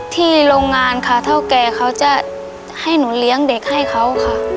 โรงงานค่ะเท่าแก่เขาจะให้หนูเลี้ยงเด็กให้เขาค่ะ